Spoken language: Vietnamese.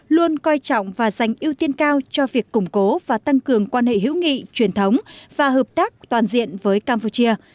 luôn coi trọng và dành ưu tiên cao cho việc củng cố và tăng cường quan hệ hữu nghị truyền thống và hợp tác toàn diện với campuchia